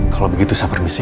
kalau begitu saya permisi